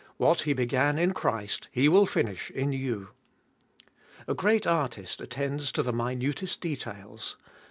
What He began in Christ, He will finish in you. A great artist attends to the minutest details.